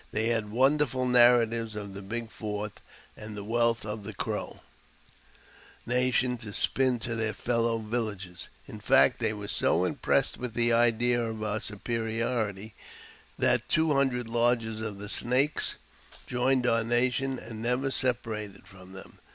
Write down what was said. They had wonderful narratives of the big fort and wealth of the Crow nation to spin to their fellow villagers. In fact, thej|l were so impressed with the idea of our superiority that two • hundred lodge 3 of the Snakes joined our nation, and never separated from them.